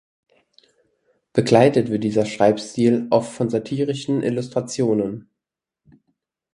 Begleitet wird dieser Schreibstil oft von satirischen Illustrationen.